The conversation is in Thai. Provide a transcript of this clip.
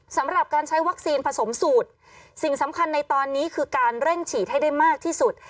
สำหรับการใช้วัคซีนผสมสูตรสิ่งสำคัญในตอนนี้คือการเร่งฉีดให้ได้มากที่สุด